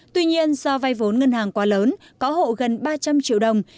tuy nhiên do vay vốn ngân hàng quá lớn có hộ gần ba trăm linh triệu đồng